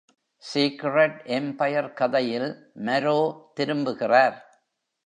Secret empire கதையில், மரோ திரும்புகிறார்.